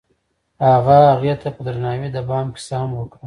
هغه هغې ته په درناوي د بام کیسه هم وکړه.